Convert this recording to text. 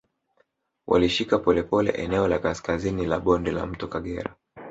Walilishika polepole eneo la kaskazini la bonde la mto Kagera